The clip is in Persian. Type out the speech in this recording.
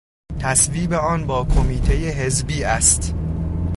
تصویب آن با کمیتهٔ حزبی است.